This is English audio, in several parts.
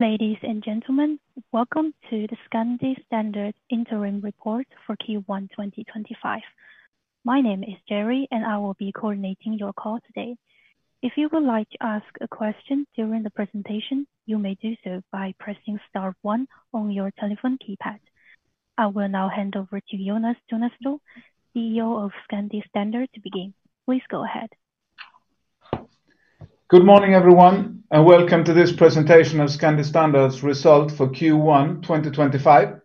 Ladies and gentlemen, welcome to the Scandi Standard Interim Report for Q1 2025. My name is Jerry, and I will be coordinating your call today. If you would like to ask a question during the presentation, you may do so by pressing star one on your telephone keypad. I will now hand over to Jonas Tunestål, CEO of Scandi Standard, to begin. Please go ahead. Good morning, everyone, and welcome to this presentation of Scandi Standard's Result for Q1 2025.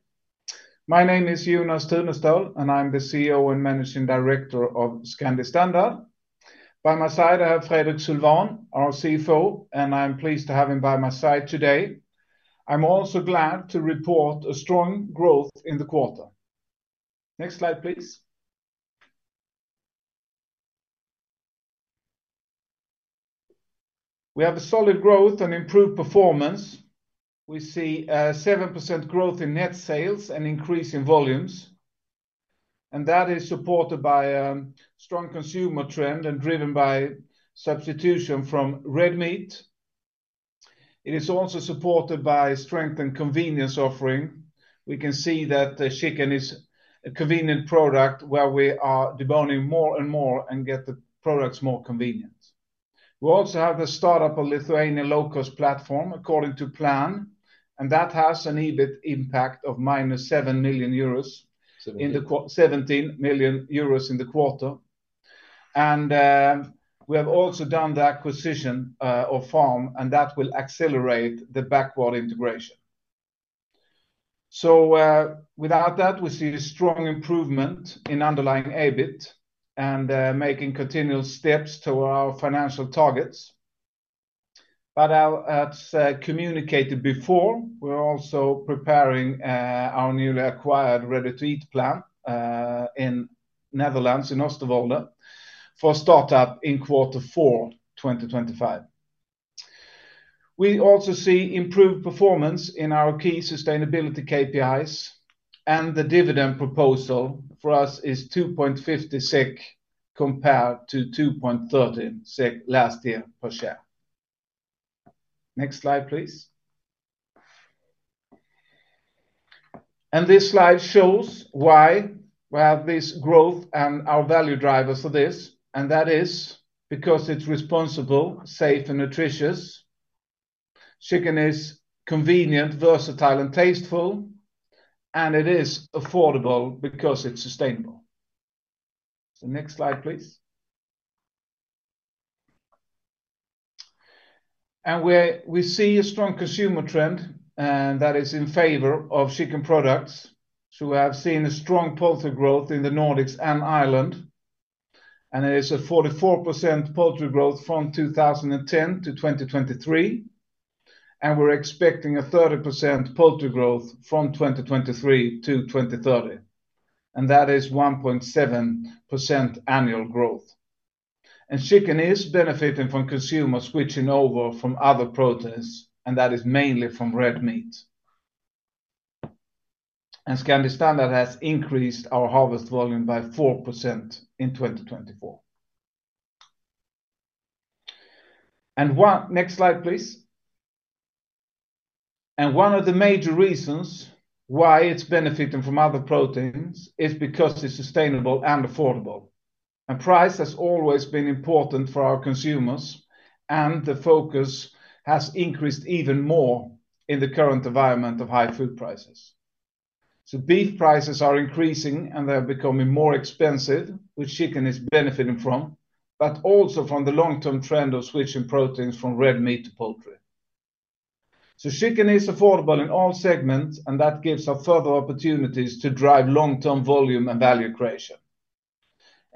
My name is Jonas Tunestål, and I'm the CEO and Managing Director of Scandi Standard. By my side, I have Fredrik Sylwan, our CFO, and I'm pleased to have him by my side today. I'm also glad to report a strong growth in the quarter. Next slide, please. We have solid growth and improved performance. We see a 7% growth in net sales and increase in volumes, and that is supported by a strong consumer trend and driven by substitution from red meat. It is also supported by strengthened convenience offering. We can see that the chicken is a convenient product where we are deboning more and more and get the products more convenient. We also have the startup of a Lithuanian low-cost platform according to plan, and that has an EBIT impact of minus 7 million euros in the quarter. We have also done the acquisition of Farm, and that will accelerate the backward integration. Without that, we see a strong improvement in underlying EBIT and making continual steps toward our financial targets. As communicated before, we are also preparing our newly acquired ready-to-eat plant in the Netherlands, in Oosterwolde, for startup in Q4, 2025. We also see improved performance in our key sustainability KPIs, and the dividend proposal for us is 2.50 SEK compared to 2.30 SEK last year per share. Next slide, please. This slide shows why we have this growth and our value drivers for this, and that is because it is responsible, safe, and nutritious. Chicken is convenient, versatile, and tasteful, and it is affordable because it's sustainable. Next slide, please. We see a strong consumer trend that is in favor of chicken products. We have seen strong poultry growth in the Nordics and Ireland, and it is a 44% poultry growth from 2010 to 2023, and we're expecting a 30% poultry growth from 2023 to 2030, and that is 1.7% annual growth. Chicken is benefiting from consumers switching over from other proteins, and that is mainly from red meat. Scandi Standard has increased our harvest volume by 4% in 2024. Next slide, please. One of the major reasons why it's benefiting from other proteins is because it's sustainable and affordable. Price has always been important for our consumers, and the focus has increased even more in the current environment of high food prices. Beef prices are increasing, and they're becoming more expensive, which chicken is benefiting from, but also from the long-term trend of switching proteins from red meat to poultry. Chicken is affordable in all segments, and that gives us further opportunities to drive long-term volume and value creation.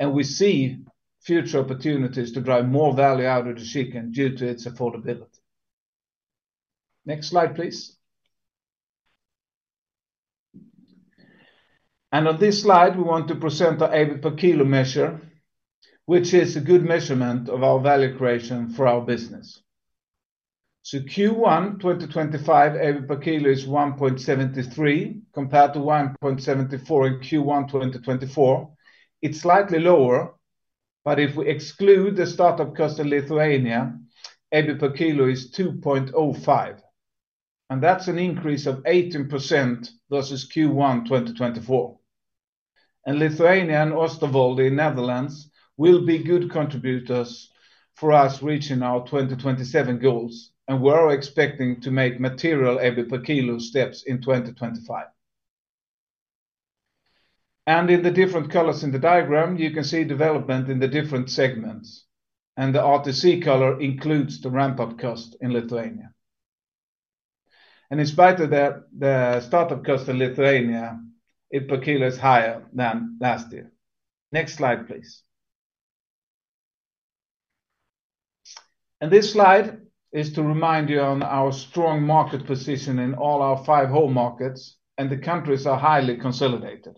We see future opportunities to drive more value out of the chicken due to its affordability. Next slide, please. On this slide, we want to present our EBIT per kilo measure, which is a good measurement of our value creation for our business. Q1 2025 EBIT per kilo is 1.73 compared to 1.74 in Q1 2024. It's slightly lower, but if we exclude the startup cost in Lithuania, EBIT per kilo is 2.05, and that's an increase of 18% versus Q1 2024. Lithuania and Oosterwolde in the Netherlands will be good contributors for us reaching our 2027 goals, and we are expecting to make material EBIT per kilo steps in 2025. In the different colors in the diagram, you can see development in the different segments, and the RTC color includes the ramp-up cost in Lithuania. In spite of that, the startup cost in Lithuania, EBIT per kilo is higher than last year. Next slide, please. This slide is to remind you of our strong market position in all our five whole markets, and the countries are highly consolidated.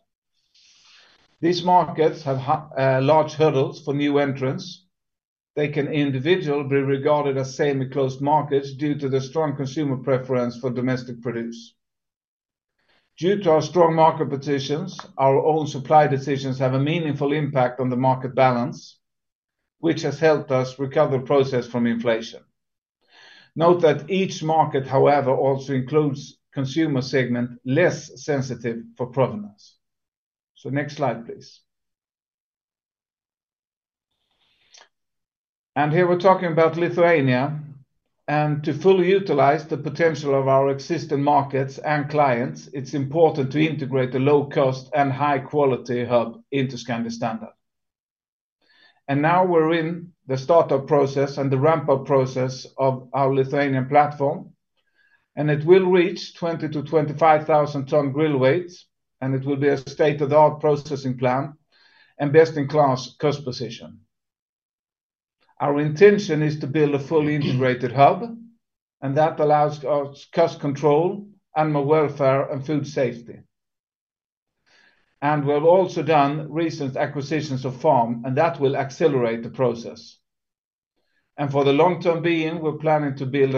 These markets have large hurdles for new entrants. They can individually be regarded as semi-closed markets due to the strong consumer preference for domestic produce. Due to our strong market positions, our own supply decisions have a meaningful impact on the market balance, which has helped us recover the process from inflation. Note that each market, however, also includes consumer segments less sensitive for provenance. Next slide, please. Here we are talking about Lithuania, and to fully utilize the potential of our existing markets and clients, it is important to integrate a low-cost and high-quality hub into Scandi Standard. We are now in the startup process and the ramp-up process of our Lithuanian platform, and it will reach 20,000-25,000 ton grill weights, and it will be a state-of-the-art processing plant and best-in-class cost position. Our intention is to build a fully integrated hub, and that allows us cost control, animal welfare, and food safety. We have also done recent acquisitions of farm, and that will accelerate the process. For the long-term being, we're planning to build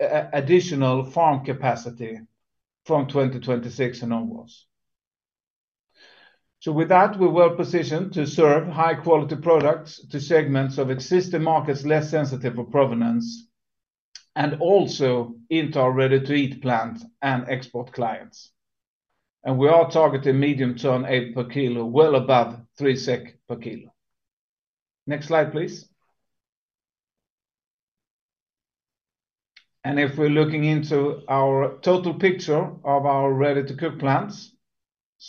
additional farm capacity from 2026 and onwards. With that, we're well positioned to serve high-quality products to segments of existing markets less sensitive for provenance and also into our ready-to-eat plant and export clients. We are targeting medium-term EBIT per kilo, well above 3 SEK per kilo. Next slide, please. If we're looking into our total picture of our ready-to-cook plants,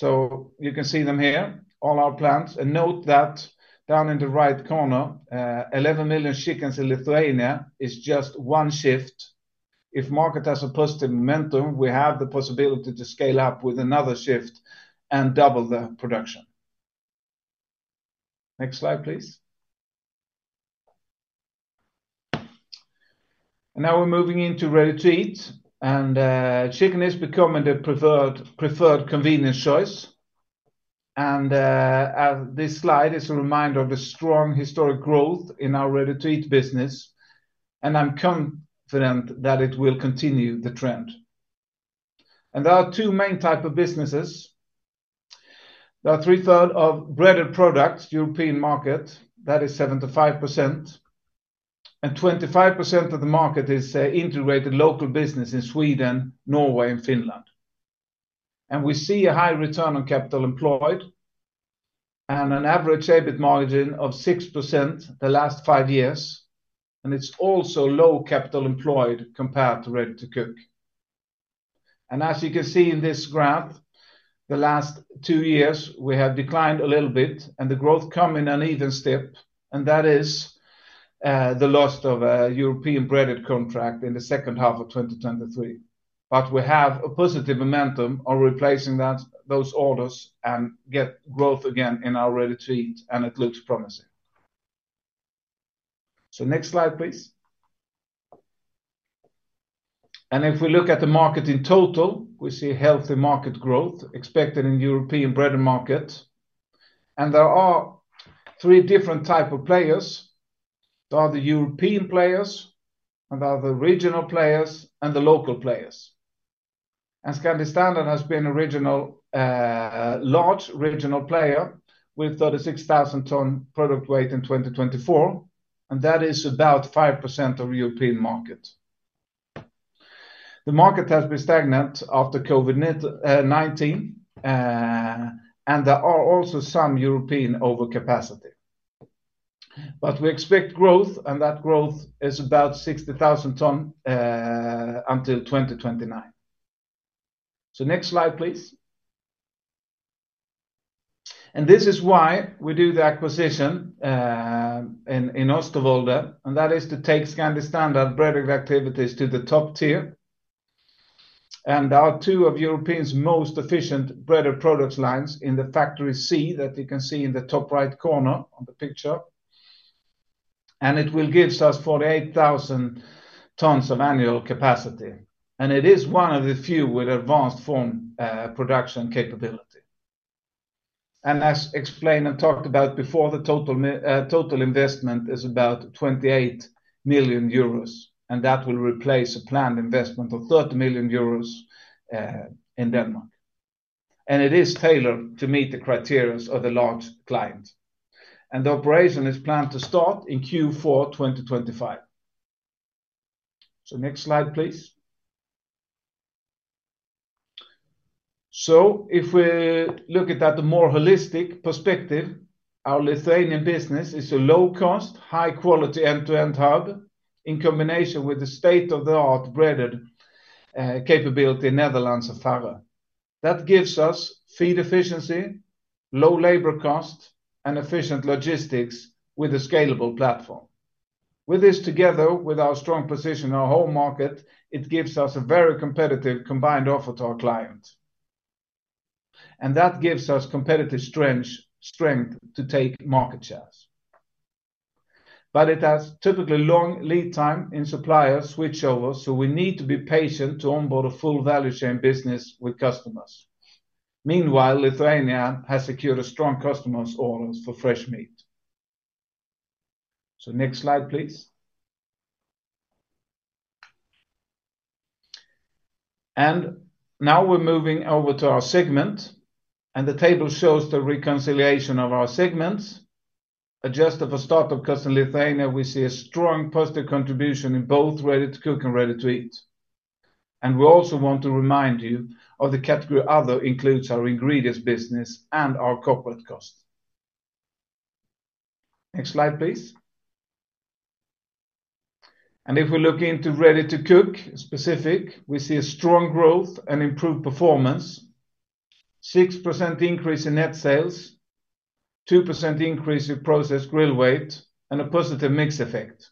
you can see them here, all our plants, and note that down in the right corner, 11 million chickens in Lithuania is just one shift. If the market has a positive momentum, we have the possibility to scale up with another shift and double the production. Next slide, please. Now we're moving into ready-to-eat, and chicken is becoming the preferred convenience choice. This slide is a reminder of the strong historic growth in our ready-to-eat business, and I'm confident that it will continue the trend. There are two main types of businesses. There are three-quarters of breaded products, European market, that is 75%, and 25% of the market is integrated local business in Sweden, Norway, and Finland. We see a high return on capital employed and an average EBIT margin of 6% the last five years, and it's also low capital employed compared to ready-to-cook. As you can see in this graph, the last two years, we have declined a little bit, and the growth is coming on an even step, and that is the loss of a European breaded contract in the second half of 2023. We have a positive momentum on replacing those orders and getting growth again in our ready-to-eat, and it looks promising. Next slide, please. If we look at the market in total, we see healthy market growth expected in the European breaded market, and there are three different types of players. There are the European players, the regional players, and the local players. Scandi Standard has been a large regional player with 36,000-ton product weight in 2024, and that is about 5% of the European market. The market has been stagnant after COVID-19, and there is also some European overcapacity. We expect growth, and that growth is about 60,000 tons until 2029. Next slide, please. This is why we do the acquisition in Oosterwolde, and that is to take Scandi Standard breaded activities to the top tier. There are two of Europe's most efficient breaded product lines in the factory C that you can see in the top right corner of the picture, and it will give us 48,000 tons of annual capacity. It is one of the few with advanced form production capability. As explained and talked about before, the total investment is about 28 million euros, and that will replace a planned investment of 30 million euros in Denmark. It is tailored to meet the criteria of the large client. The operation is planned to start in Q4 2025. Next slide, please. If we look at that, the more holistic perspective, our Lithuanian business is a low-cost, high-quality end-to-end hub in combination with the state-of-the-art breaded capability in the Netherlands of Farre. That gives us feed efficiency, low labor cost, and efficient logistics with a scalable platform. With this together, with our strong position in our whole market, it gives us a very competitive combined offer to our clients. That gives us competitive strength to take market shares. It has typically long lead time in supplier switchovers, so we need to be patient to onboard a full value chain business with customers. Meanwhile, Lithuania has secured strong customers' orders for fresh meat. Next slide, please. Now we're moving over to our segment, and the table shows the reconciliation of our segments. Just at the start of Kaunas, Lithuania, we see a strong positive contribution in both ready-to-cook and ready-to-eat. We also want to remind you the category other includes our ingredients business and our corporate cost. Next slide, please. If we look into ready-to-cook specific, we see a strong growth and improved performance, 6% increase in net sales, 2% increase in process grill weight, and a positive mix effect.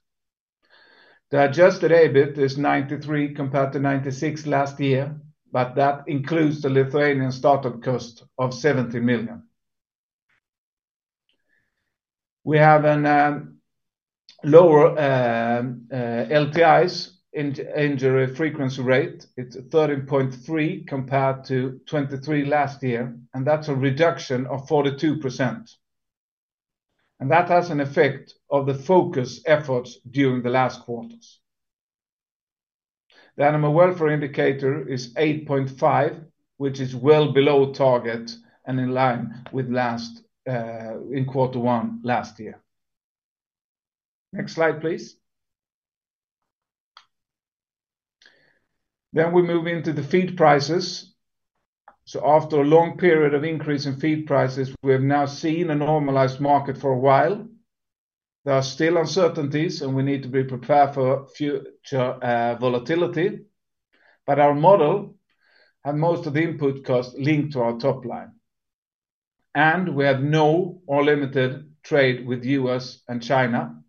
The adjusted EBIT is 93 million compared to 96 million last year, but that includes the Lithuanian startup cost of 70 million. We have lower LTIs injury frequency rate. It is 13.3 compared to 23 last year, and that is a reduction of 42%. That has an effect on the focus efforts during the last quarters. The animal welfare indicator is 8.5, which is well below target and in line with quarter one last year. Next slide, please. We move into the feed prices. After a long period of increase in feed prices, we have now seen a normalized market for a while. There are still uncertainties, and we need to be prepared for future volatility. Our model had most of the input cost linked to our top line. We have no or limited trade with the U.S. and China.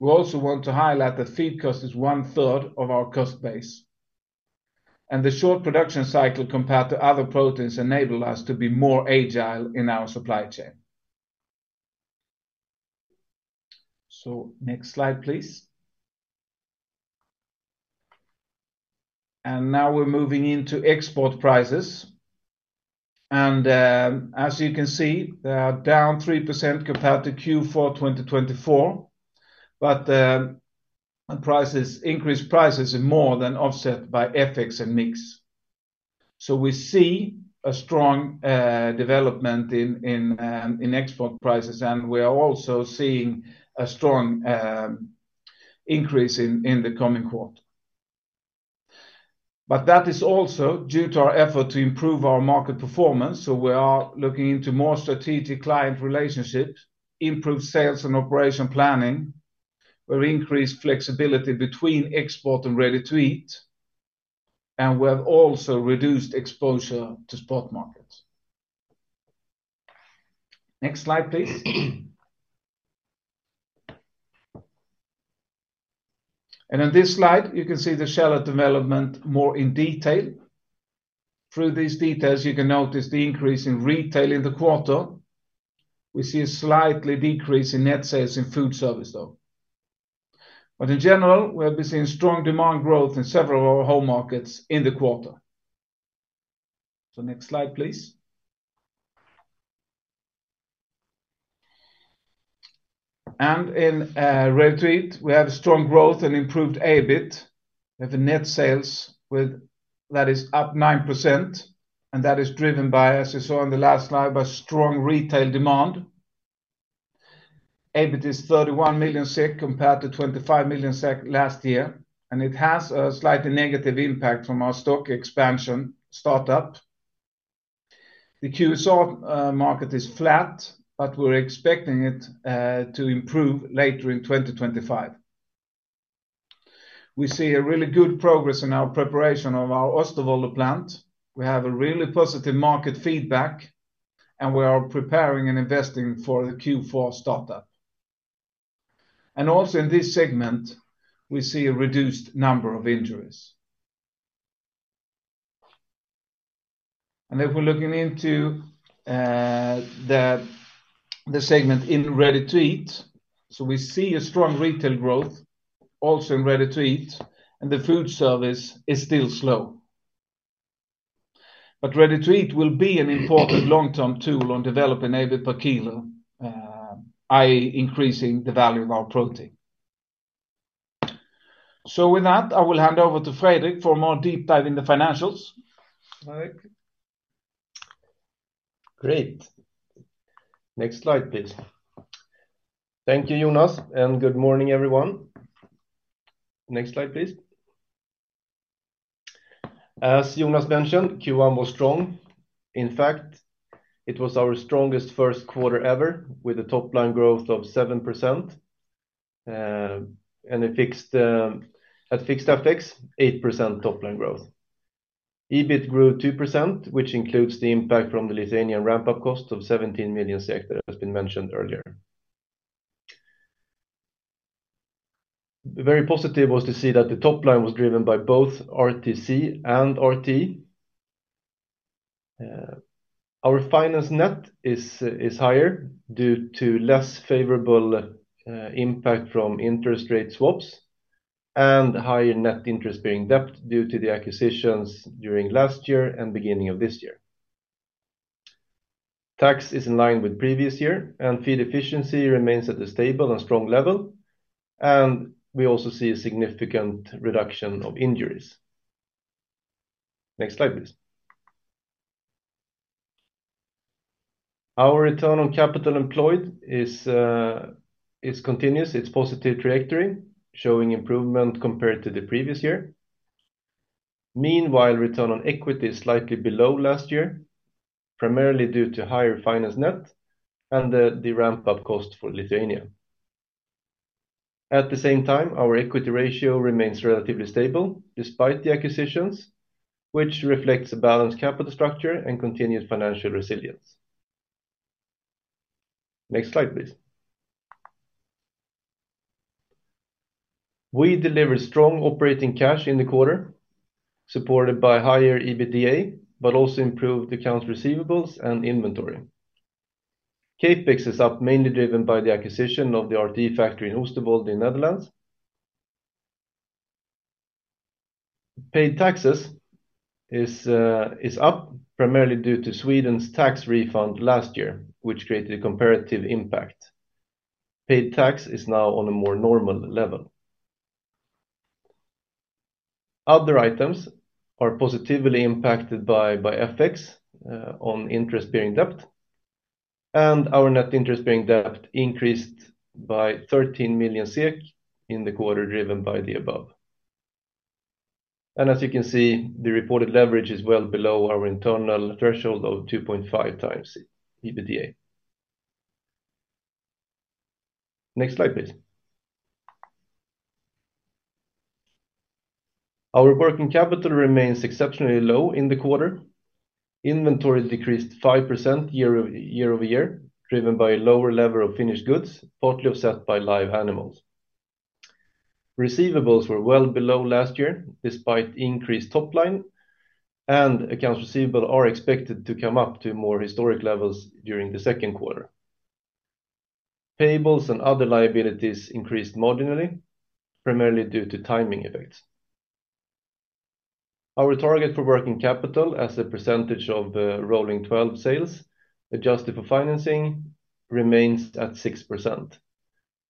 We also want to highlight that feed cost is one-third of our cost base. The short production cycle compared to other proteins enables us to be more agile in our supply chain. Next slide, please. Now we are moving into export prices. As you can see, they are down 3% compared to Q4 2024, but increased prices are more than offset by FX and mix. We see a strong development in export prices, and we are also seeing a strong increase in the coming quarter. That is also due to our effort to improve our market performance. We are looking into more strategic client relationships, improved sales and operation planning have increased flexibility between export and ready-to-eat, and we have also reduced exposure to spot markets. Next slide, please. On this slide, you can see the channel development more in detail. Through these details, you can notice the increase in retail in the quarter. We see a slight decrease in net sales in food service, though. In general, we have been seeing strong demand growth in several of our whole markets in the quarter. Next slide, please. In ready-to-eat, we have strong growth and improved EBIT. We have net sales that are up 9%, and that is driven by, as you saw in the last slide, strong retail demand. EBIT is 31 million compared to 25 million last year, and it has a slightly negative impact from our Stockholm expansion startup. The QSR market is flat, but we're expecting it to improve later in 2025. We see really good progress in our preparation of our Oosterwolde plant. We have really positive market feedback, and we are preparing and investing for the Q4 startup. Also in this segment, we see a reduced number of injuries. If we're looking into the segment in ready-to-eat, we see strong retail growth also in ready-to-eat, and the food service is still slow. Ready-to-eat will be an important long-term tool on developing EBIT per kilo, i.e., increasing the value of our protein. With that, I will hand over to Fredrik for a more deep dive in the financials. Great. Next slide, please. Thank you, Jonas, and good morning, everyone. Next slide, please. As Jonas mentioned, Q1 was strong. In fact, it was our strongest Q1 ever with a top-line growth of 7% and at fixed FX, 8% top-line growth. EBIT grew 2%, which includes the impact from the Lithuanian ramp-up cost of 17 million that has been mentioned earlier. Very positive was to see that the top line was driven by both RTC and RTE. Our finance net is higher due to less favorable impact from interest rate swaps and higher net interest-bearing debt due to the acquisitions during last year and beginning of this year. Tax is in line with previous year, and feed efficiency remains at a stable and strong level, and we also see a significant reduction of injuries. Next slide, please. Our return on capital employed is continuous. Its positive trajectory, showing improvement compared to the previous year. Meanwhile, return on equity is slightly below last year, primarily due to higher finance net and the ramp-up cost for Lithuania. At the same time, our equity ratio remains relatively stable despite the acquisitions, which reflects a balanced capital structure and continued financial resilience. Next slide, please. We delivered strong operating cash in the quarter, supported by higher EBITDA, but also improved accounts receivables and inventory. CapEx is up, mainly driven by the acquisition of the RTE factory in Oosterwolde in the Netherlands. Paid taxes is up, primarily due to Sweden's tax refund last year, which created a comparative impact. Paid tax is now on a more normal level. Other items are positively impacted by FX on interest-bearing debt, and our net interest-bearing debt increased by 13 million SEK in the quarter, driven by the above. As you can see, the reported leverage is well below our internal threshold of 2.5 times EBITDA. Next slide, please. Our working capital remains exceptionally low in the quarter. Inventory decreased 5% year over year, driven by a lower level of finished goods, partly offset by live animals. Receivables were well below last year, despite increased top line, and accounts receivable are expected to come up to more historic levels during the Q2. Payables and other liabilities increased marginally, primarily due to timing effects. Our target for working capital as a percentage of rolling 12 sales, adjusted for financing, remains at 6%.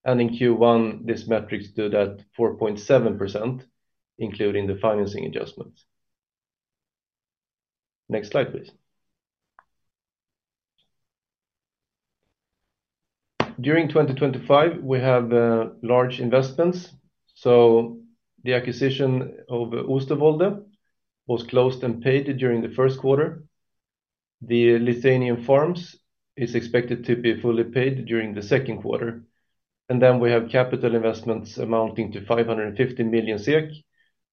In Q1, this metric stood at 4.7%, including the financing adjustments. Next slide, please. During 2025, we have large investments. The acquisition of Oosterwolde was closed and paid during the Q1. The Lithuanian farms is expected to be fully paid during the Q2. We have capital investments amounting to 550 million SEK,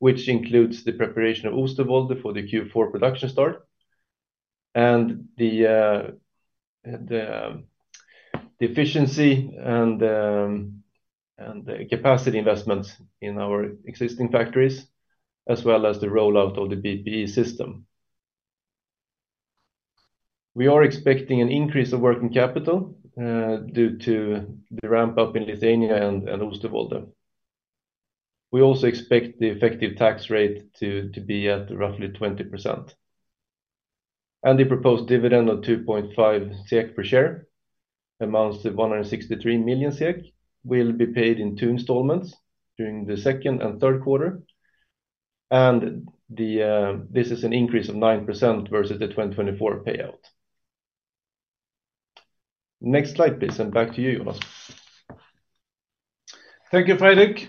which includes the preparation of Oosterwolde for the Q4 production start, and the efficiency and capacity investments in our existing factories, as well as the rollout of the BPE system. We are expecting an increase of working capital due to the ramp-up in Lithuania and Oosterwolde. We also expect the effective tax rate to be at roughly 20%. The proposed dividend of 2.5 SEK per share amounts to 163 million SEK, will be paid in two installments during the second and Q3. This is an increase of 9% versus the 2024 payout. Next slide, please, and back to you, Jonas. Thank you, Fredrik.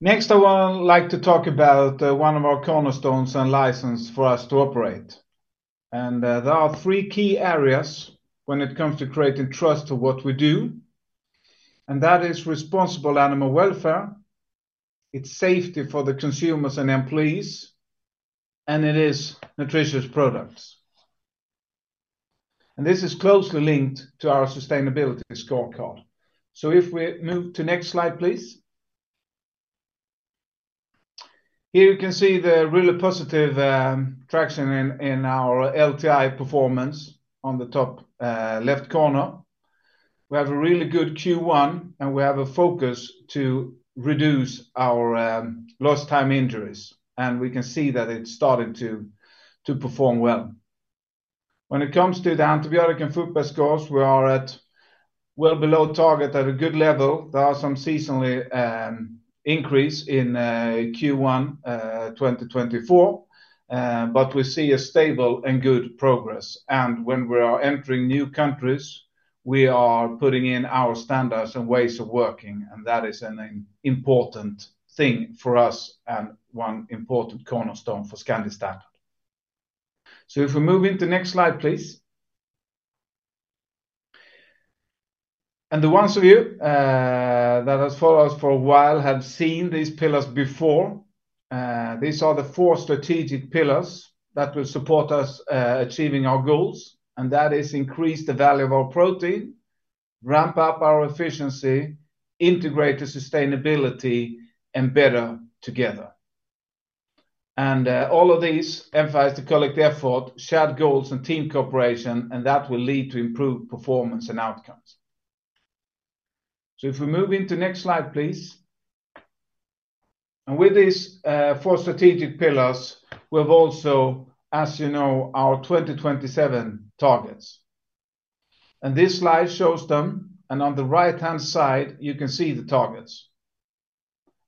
Next, I would like to talk about one of our cornerstones and license for us to operate. There are three key areas when it comes to creating trust to what we do. That is responsible animal welfare, it is safety for the consumers and employees, and it is nutritious products. This is closely linked to our sustainability scorecard. If we move to next slide, please. Here you can see the really positive traction in our LTI performance on the top left corner. We have a really good Q1, and we have a focus to reduce our lost time injuries. We can see that it's starting to perform well. When it comes to the antibiotic and food pad scores, we are at well below target at a good level. There are some seasonal increases in Q1 2024, but we see a stable and good progress. When we are entering new countries, we are putting in our standards and ways of working. That is an important thing for us and one important cornerstone for Scandi Standard. If we move into next slide, please. The ones of you that have followed us for a while have seen these pillars before. These are the four strategic pillars that will support us achieving our goals. That is increase the value of our protein, ramp up our efficiency, integrate to sustainability, and better together. All of these emphasize the collective effort, shared goals, and team cooperation, and that will lead to improved performance and outcomes. If we move into next slide, please. With these four strategic pillars, we have also, as you know, our 2027 targets. This slide shows them, and on the right-hand side, you can see the targets.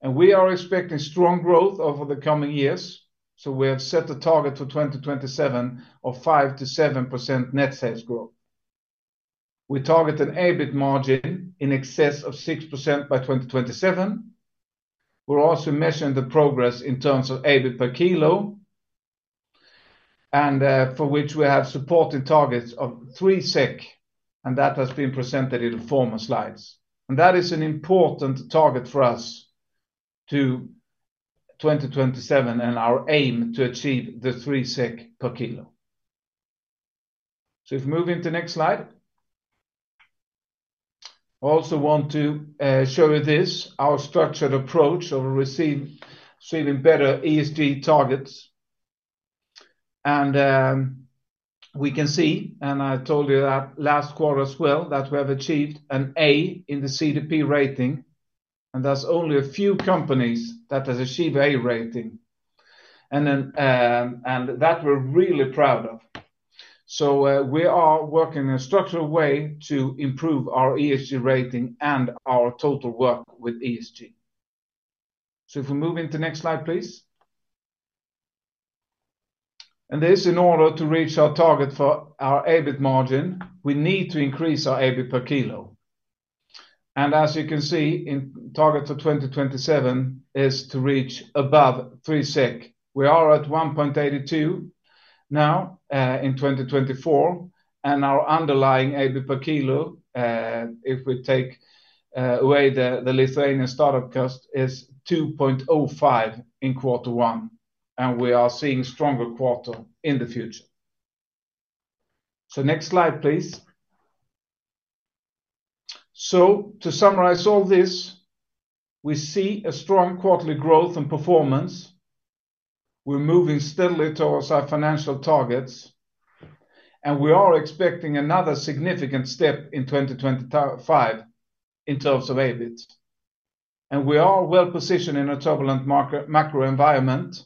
We are expecting strong growth over the coming years. We have set a target for 2027 of 5-7% net sales growth. We target an EBIT margin in excess of 6% by 2027. We are also measuring the progress in terms of EBIT per kilo, for which we have supporting targets of 3, and that has been presented in the former slides. That is an important target for us to 2027 and our aim to achieve the 3 SEK per kilo. If we move into next slide, I also want to show you this, our structured approach of achieving better ESG targets. We can see, and I told you that last quarter as well, that we have achieved an A in the CDP rating, and there are only a few companies that have achieved an A rating. We are really proud of that. We are working in a structural way to improve our ESG rating and our total work with ESG. If we move into next slide, please. This is in order to reach our target for our EBIT margin. We need to increase our EBIT per kilo. As you can see, target for 2027 is to reach above 3 SEK. We are at 1.82 now in 2024, and our underlying EBIT per kilo, if we take away the Lithuanian startup cost, is 2.05 in quarter one. We are seeing a stronger quarter in the future. Next slide, please. To summarize all this, we see a strong quarterly growth and performance. We're moving steadily towards our financial targets, and we are expecting another significant step in 2025 in terms of EBITs. We are well positioned in a turbulent macro environment,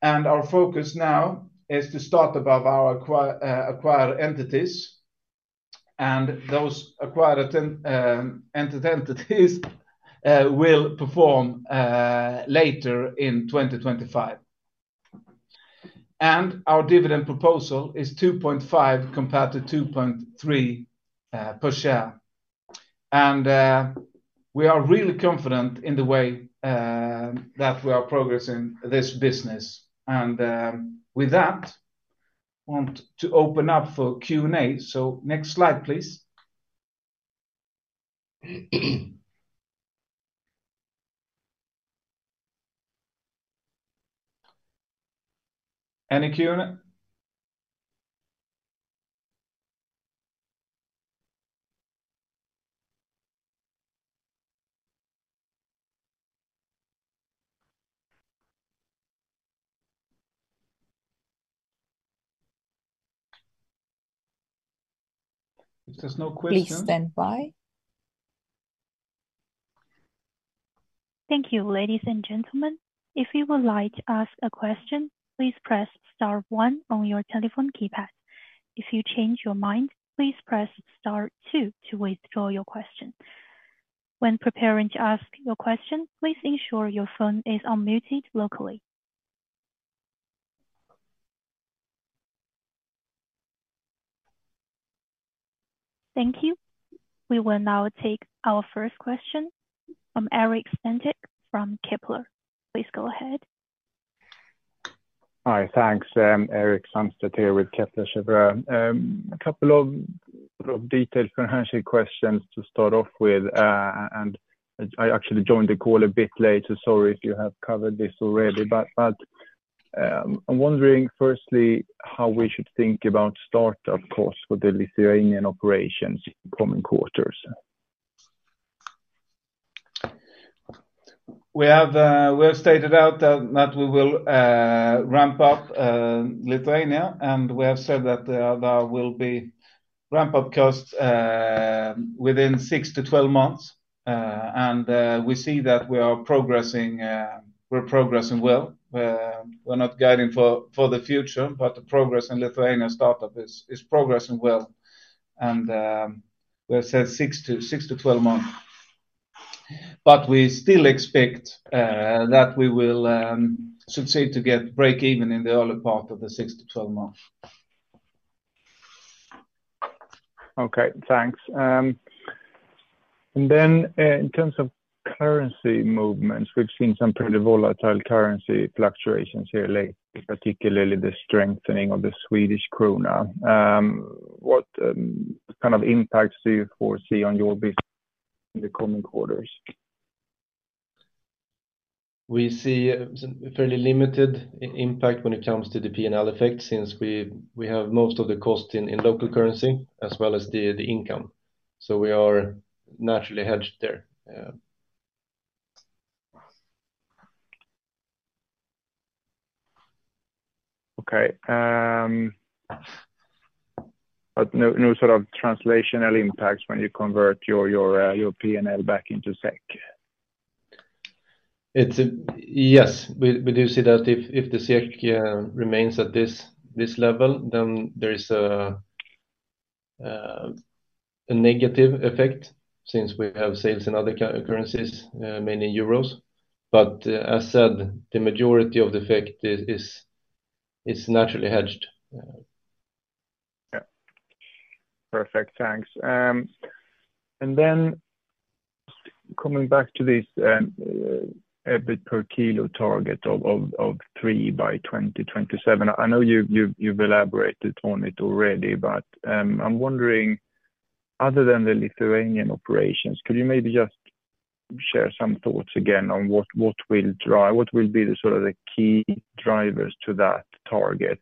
and our focus now is to start above our acquired entities, and those acquired entities will perform later in 2025. Our dividend proposal is 2.5 compared to 2.3 per share. We are really confident in the way that we are progressing this business. With that, I want to open up for Q&A. Next slide, please. Any Q&A? If there's no question. Please stand by. Thank you, ladies and gentlemen. If you would like to ask a question, please press Star 1 on your telephone keypad. If you change your mind, please press star two to withdraw your question. When preparing to ask your question, please ensure your phone is unmuted locally. Thank you. We will now take our first question from Erik Sandstedt from Kepler. Please go ahead. Hi, thanks. Eric Sandstedt here with Kepler Cheuvreux. A couple of detailed financial questions to start off with, and I actually joined the call a bit later. Sorry if you have covered this already, but I'm wondering firstly how we should think about startup costs for the Lithuanian operations in the coming quarters. We have stated out that we will ramp up Lithuania, and we have said that there will be ramp-up costs within 6-12 months. We see that we are progressing well. We're not guiding for the future, but the progress in Lithuania startup is progressing well. We have said 6-12 months. We still expect that we will succeed to get break-even in the early part of the 6-12 months. Okay, thanks. In terms of currency movements, we've seen some pretty volatile currency fluctuations here lately, particularly the strengthening of the Swedish krona. What kind of impacts do you foresee on your business in the coming quarters? We see a fairly limited impact when it comes to the P&L effect since we have most of the cost in local currency as well as the income. We are naturally hedged there. Okay. No sort of translational impacts when you convert your P&L back into SEK? Yes, we do see that if the SEK remains at this level, there is a negative effect since we have sales in other currencies, mainly euros. As said, the majority of the effect is naturally hedged. Yeah. Perfect, thanks. Then coming back to this EBIT per kilo target of 3 by 2027, I know you've elaborated on it already, but I'm wondering, other than the Lithuanian operations, could you maybe just share some thoughts again on what will be the sort of key drivers to that target?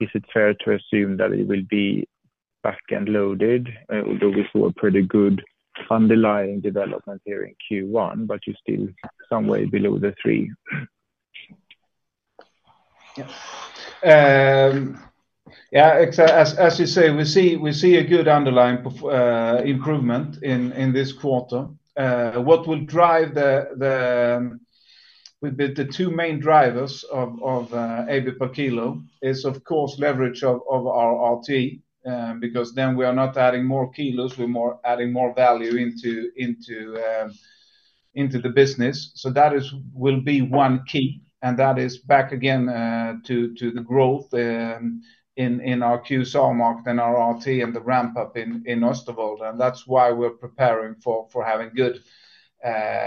Is it fair to assume that it will be back-end loaded, although we saw a pretty good underlying development here in Q1, but you're still some way below the 3? Yeah. Yeah, as you say, we see a good underlying improvement in this quarter. What will drive the two main drivers of EBIT per kilo is, of course, leverage of our RT, because then we are not adding more kilos; we're adding more value into the business. That will be one key, and that is back again to the growth in our QSR market and our RT and the ramp-up in Oosterwolde. That is why we are preparing for having good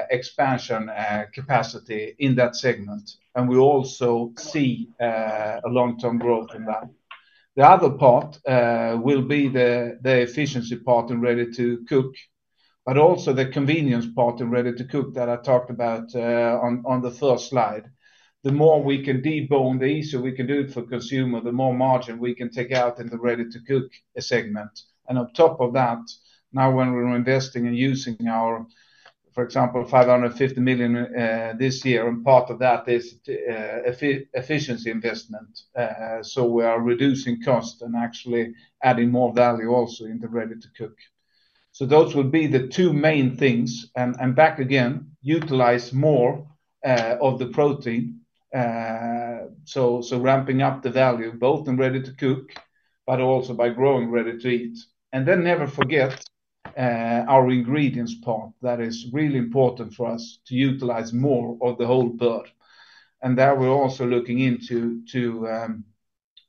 expansion capacity in that segment. We also see a long-term growth in that. The other part will be the efficiency part in ready-to-cook, but also the convenience part in ready-to-cook that I talked about on the first slide. The more we can de-bone, the easier we can do it for consumers, the more margin we can take out in the ready-to-cook segment. On top of that, now when we are investing and using our, for example, 550 million this year, and part of that is efficiency investment. We are reducing costs and actually adding more value also into ready-to-cook. Those will be the two main things. Back again, utilize more of the protein. Ramping up the value, both in ready-to-cook, but also by growing ready-to-eat. Never forget our ingredients part that is really important for us to utilize more of the whole bird. There we are also looking into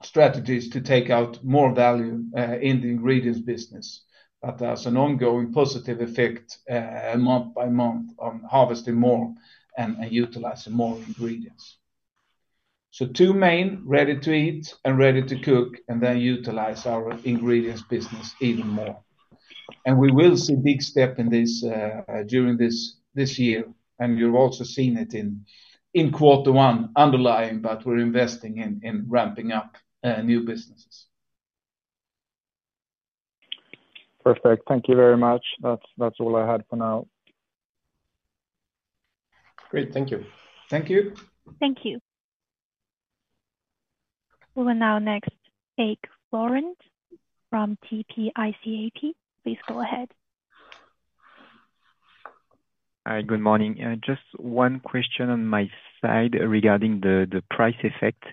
strategies to take out more value in the ingredients business. There is an ongoing positive effect month by month on harvesting more and utilizing more ingredients. Two main ready-to-eat and ready-to-cook, and then utilize our ingredients business even more. We will see a big step during this year. You have also seen it in quarter one, underlying, but we are investing in ramping up new businesses. Perfect. Thank you very much. That is all I had for now. Great. Thank you. Thank you. Thank you. We will now next take Florent from TP ICAP. Please go ahead. Hi, good morning. Just one question on my side regarding the price effect.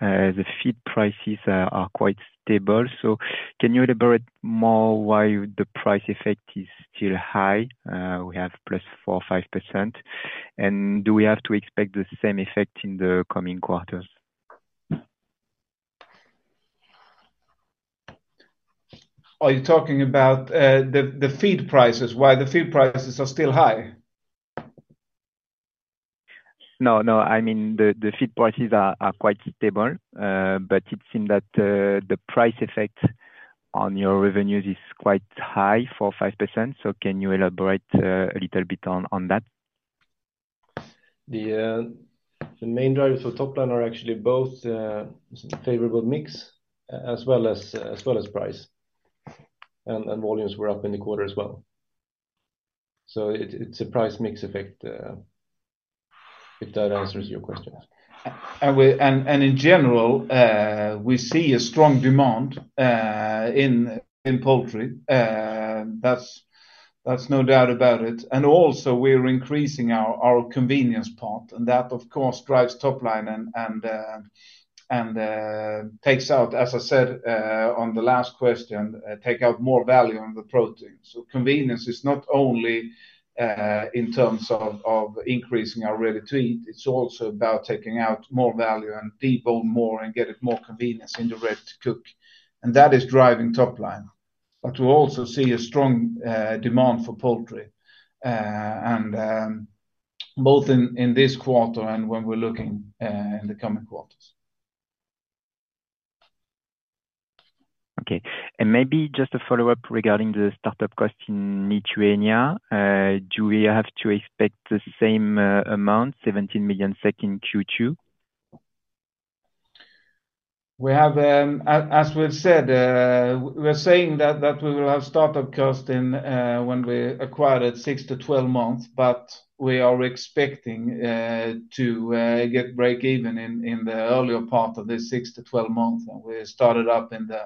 The feed prices are quite stable. Can you elaborate more why the price effect is still high? We have plus 4-5%. Do we have to expect the same effect in the coming quarters? Are you talking about the feed prices? Why are the feed prices still high? No, no. I mean, the feed prices are quite stable, but it seems that the price effect on your revenues is quite high, 4-5%. Can you elaborate a little bit on that? The main drivers for top line are actually both favorable mix as well as price. Volumes were up in the quarter as well. It is a price mix effect if that answers your question. In general, we see a strong demand in poultry. That is no doubt about it. We are increasing our convenience part. That, of course, drives top line and takes out, as I said on the last question, more value on the protein. Convenience is not only in terms of increasing our ready-to-eat. It is also about taking out more value and de-boning more and getting it more convenient in the ready-to-cook. That is driving top line. We also see a strong demand for poultry, both in this quarter and when we are looking in the coming quarters. Okay. Maybe just a follow-up regarding the startup cost in Lithuania. Do we have to expect the same amount, 17 million SEK in Q2? As we have said, we are saying that we will have startup cost when we acquire at 6-12 months, but we are expecting to get break-even in the earlier part of this 6-12 months. We started up in the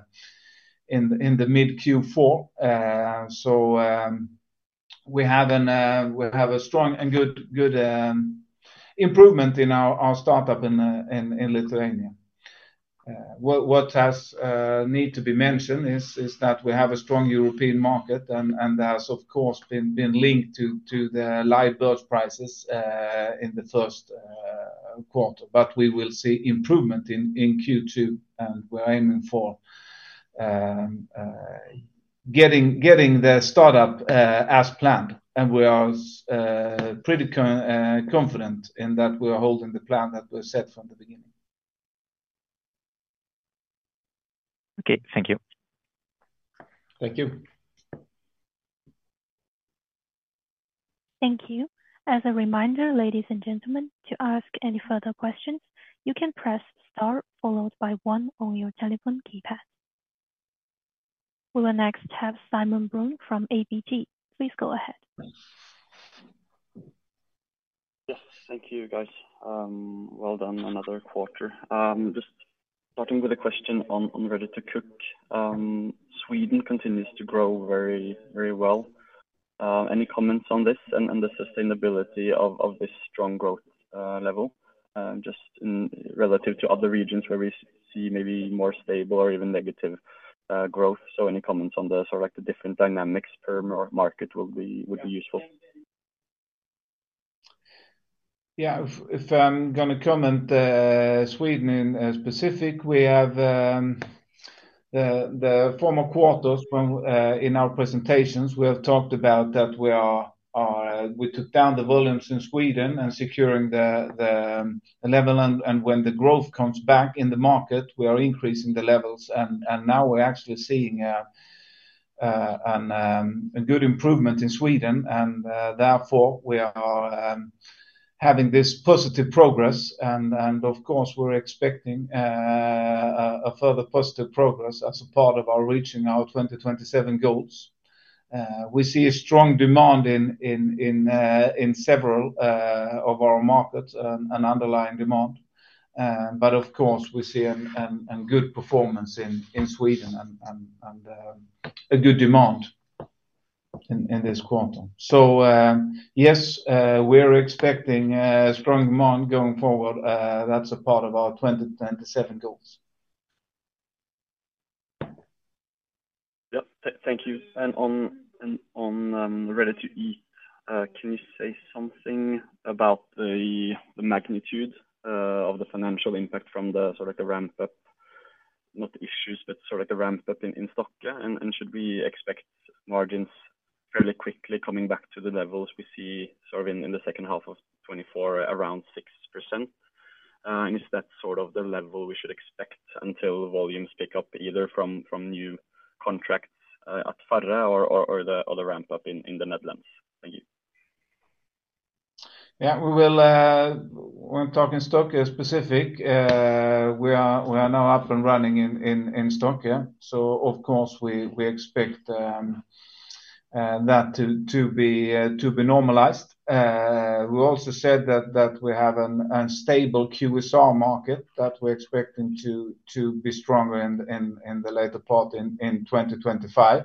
mid Q4. We have a strong and good improvement in our startup in Lithuania. What needs to be mentioned is that we have a strong European market, and there has, of course, been linked to the live bird prices in the first quarter. We will see improvement in Q2, and we're aiming for getting the startup as planned. We are pretty confident in that we are holding the plan that we set from the beginning. Thank you. Thank you. Thank you. As a reminder, ladies and gentlemen, to ask any further questions, you can press Star followed by 1 on your telephone keypad. We will next have Simon Brun from ABG. Please go ahead. Yes. Thank you, guys. Well done, another quarter. Just starting with a question on ready-to-cook. Sweden continues to grow very well. Any comments on this and the sustainability of this strong growth level just relative to other regions where we see maybe more stable or even negative growth? Any comments on the sort of different dynamics per market would be useful. Yeah. If I'm going to comment Sweden in specific, we have the former quarters in our presentations, we have talked about that we took down the volumes in Sweden and securing the level. When the growth comes back in the market, we are increasing the levels. Now we're actually seeing a good improvement in Sweden. Therefore, we are having this positive progress. Of course, we're expecting a further positive progress as a part of our reaching our 2027 goals. We see a strong demand in several of our markets and underlying demand. Of course, we see a good performance in Sweden and a good demand in this quarter. Yes, we're expecting strong demand going forward. That's a part of our 2027 goals. Yep. Thank you. On ready-to-eat, can you say something about the magnitude of the financial impact from the sort of the ramp-up, not issues, but sort of the ramp-up in Stockholm? Should we expect margins fairly quickly coming back to the levels we see in the second half of 2024, around 6%? Is that the level we should expect until volumes pick up either from new contracts at Farre or the ramp-up in the Netherlands? Thank you. Yeah. When we're talking Stockholm specific, we are now up and running in Stockholm. Of course, we expect that to be normalized. We also said that we have a stable QSR market that we're expecting to be stronger in the later part in 2025.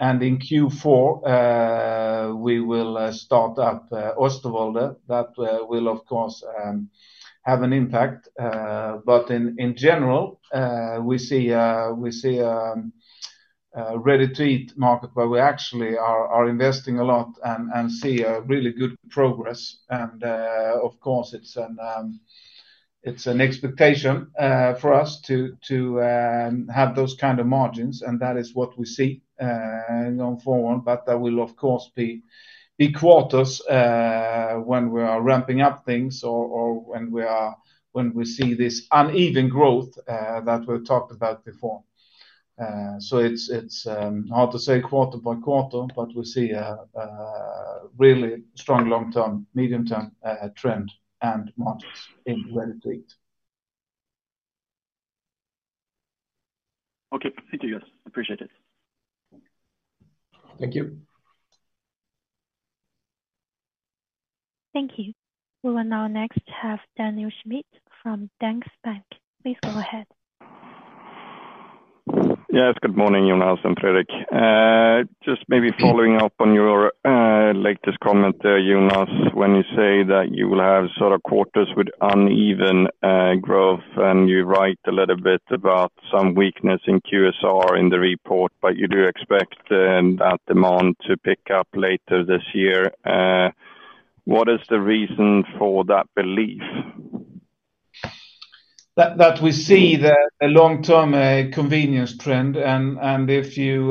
In Q4, we will start up Oosterwolde. That will, of course, have an impact. In general, we see a ready-to-eat market where we actually are investing a lot and see really good progress. Of course, it's an expectation for us to have those kinds of margins. That is what we see going forward. There will, of course, be quarters when we are ramping up things or when we see this uneven growth that we've talked about before. It's hard to say quarter-by-quarter, but we see a really strong long-term, medium-term trend and margins in ready-to-eat. Okay. Thank you, guys. Appreciate it. Thank you. Thank you. We will now next have Daniel Schmidt from Danske. Please go ahead. Yes. Good morning, Jonas and Fredrik. Just maybe following up on your latest comment, Jonas, when you say that you will have sort of quarters with uneven growth, and you write a little bit about some weakness in QSR in the report, but you do expect that demand to pick up later this year. What is the reason for that belief? That we see the long-term convenience trend. If you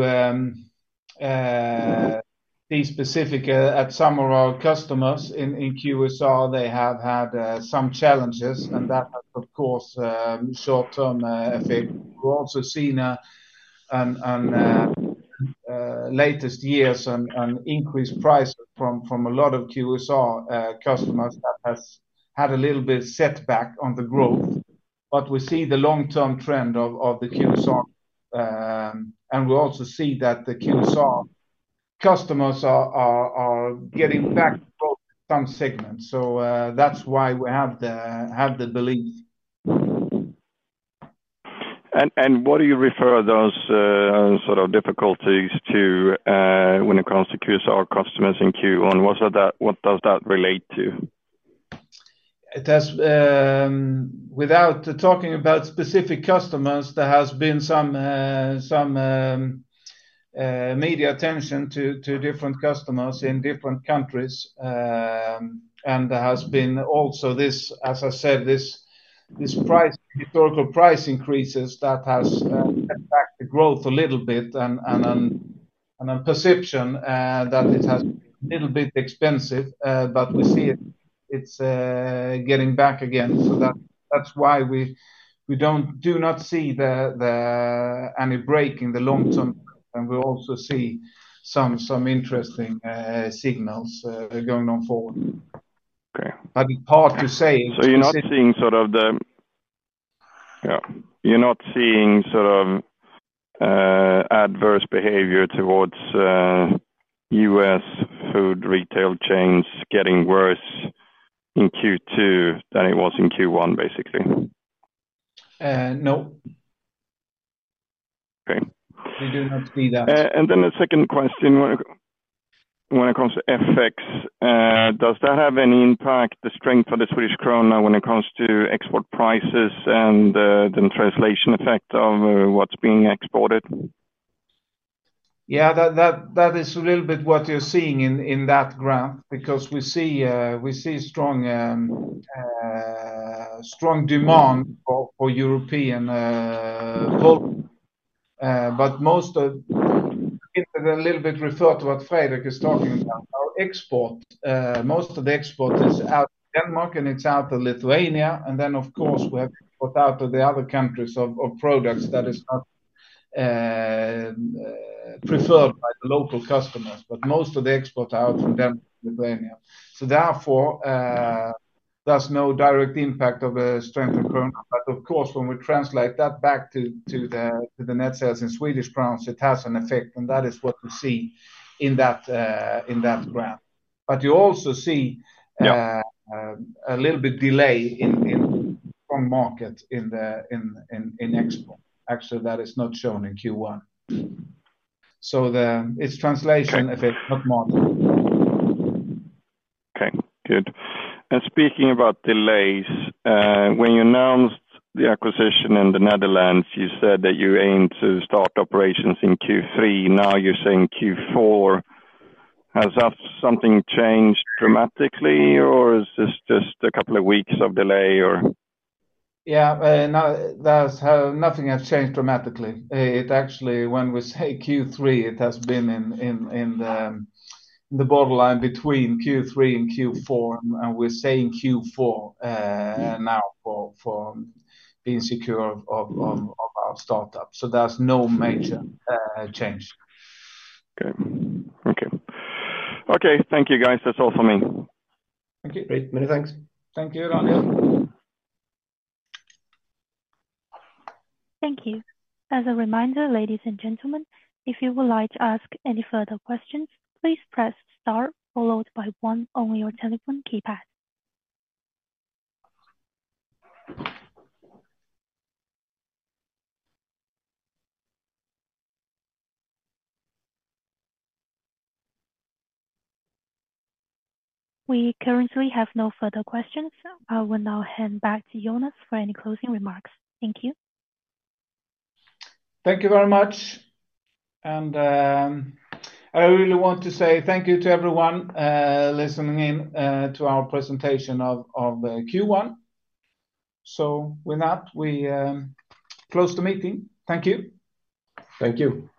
be specific, at some of our customers in QSR, they have had some challenges. That has, of course, short-term effect. We've also seen in latest years an increased price from a lot of QSR customers that has had a little bit setback on the growth. We see the long-term trend of the QSR. We also see that the QSR customers are getting back in some segments. That's why we have the belief. What do you refer those sort of difficulties to when it comes to QSR customers in Q1? What does that relate to? Without talking about specific customers, there has been some media attention to different customers in different countries. There has been also this, as I said, this historical price increases that has set back the growth a little bit and a perception that it has been a little bit expensive. We see it is getting back again. That is why we do not see any break in the long-term growth. We also see some interesting signals going on forward. It is hard to say. You are not seeing sort of the, Yeah. You are not seeing sort of adverse behavior towards US food retail chains getting worse in Q2 than it was in Q1, basically? No. We do not see that. The second question, when it comes to FX, does that have any impact, the strength of the Swedish krona when it comes to export prices and the translation effect of what is being exported? Yeah. That is a little bit what you are seeing in that graph because we see strong demand for European volumes. Most of it refers to what Fredrik is talking about. Most of the export is out of Denmark, and it is out of Lithuania. Of course, we have export out of the other countries of products that are not preferred by the local customers. Most of the export is out from Denmark and Lithuania. Therefore, there is no direct impact of the strength of krona. Of course, when we translate that back to the net sales in Swedish crowns, it has an effect. That is what we see in that graph. You also see a little bit delay in strong market in export. Actually, that is not shown in Q1. It is translation effect, not market. Okay. Good. Speaking about delays, when you announced the acquisition in the Netherlands, you said that you aim to start operations in Q3. Now you are saying Q4. Has something changed dramatically, or is this just a couple of weeks of delay, or? Yeah. Nothing has changed dramatically. Actually, when we say Q3, it has been in the borderline between Q3 and Q4. We are saying Q4 now for being secure of our startup. There is no major change. Okay. Okay. Okay. Thank you, guys. That is all from me. Okay. Great. Many thanks. Thank you, Daniel. Thank you. As a reminder, ladies and gentlemen, if you would like to ask any further questions, please press tar followed by one on your telephone keypad. We currently have no further questions. I will now hand back to Jonas for any closing remarks. Thank you. Thank you very much. I really want to say thank you to everyone listening in to our presentation of Q1. With that, we close the meeting. Thank you. Thank you.